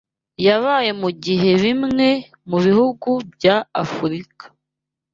yabaye mu gihe bimwe mu bihugu by’Afurika